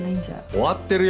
終わってるよ！